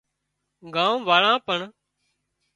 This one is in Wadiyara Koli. ڳام واۯان پڻ